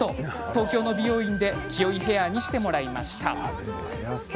東京の美容院で清居ヘアにしてもらいました。